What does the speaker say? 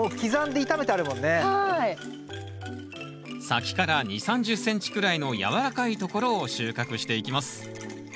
先から２０３０ｃｍくらいの軟らかいところを収穫していきます